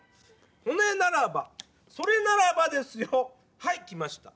それならばそれならばですよ。はいきました！